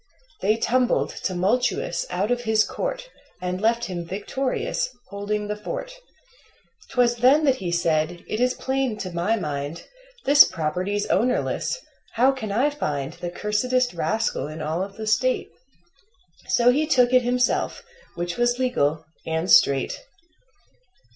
They tumbled, tumultuous, out of his court And left him victorious, holding the fort. 'Twas then that he said: "It is plain to my mind This property's ownerless how can I find The cursedest rascal in all of the State?" So he took it himself, which was legal and straight.